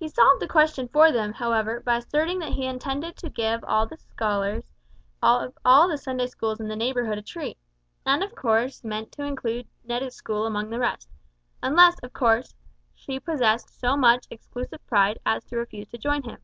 He solved the question for them, however, by asserting that he intended to give all the scholars of all the Sunday schools in the neighbourhood a treat, and of course meant to include Netta's school among the rest unless, of course, she possessed so much exclusive pride as to refuse to join him.